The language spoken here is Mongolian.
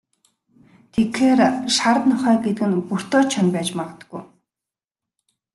Тэгэхээр, шар нохой гэдэг нь Бөртэ Чоно байж магадгүй.